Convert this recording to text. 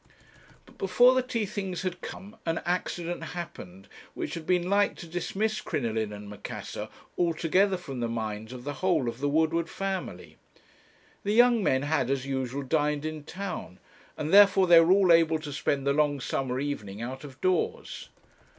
But before the tea things had come, an accident happened, which had been like to dismiss 'Crinoline and Macassar' altogether from the minds of the whole of the Woodward family. The young men had, as usual, dined in town, and therefore they were all able to spend the long summer evening out of doors.